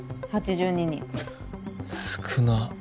８２人少なっ